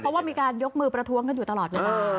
เพราะว่ามีการยกมือประท้วงกันอยู่ตลอดเวลา